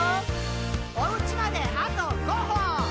「おうちまであと５歩！」